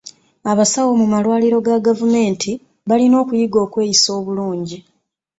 Abasawo mu malwaliro ga gavumenti balina okuyiga okweyisa obulungi.